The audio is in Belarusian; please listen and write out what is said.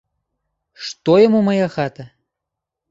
Што яму мая хата?